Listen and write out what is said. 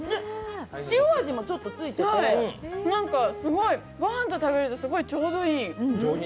塩味もちょっとついてて、御飯と食べるとすごいちょうどいい。